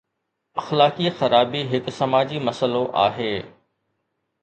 اخلاقي خرابي هڪ سماجي مسئلو آهي.